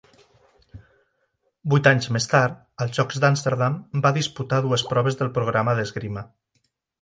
Vuit anys més tard, als Jocs d'Amsterdam, va disputar dues proves del programa d'esgrima.